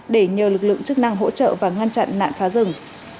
để nhờ lực lượng chức năng hỗ trợ và ngăn chặn nạn phá rừng